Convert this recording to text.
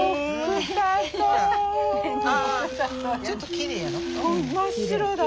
ちょっときれいやろ。